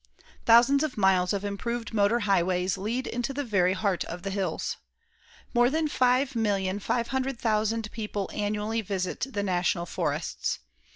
Thousands of miles of improved motor highways lead into the very heart of the hills. More than 5,500,000 people annually visit the National Forests.